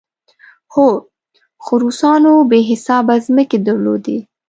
هو، خو روسانو بې حسابه ځمکې درلودې.